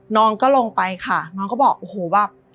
น้องก็ลงไปค่ะน้องก็บอกโอ้โหแบบ